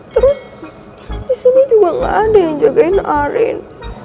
terus disini juga gak ada yang jagain arin